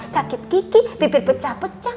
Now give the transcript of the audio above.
sakit kiki bibir pecah pecah